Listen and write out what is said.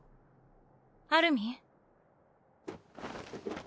アルミン？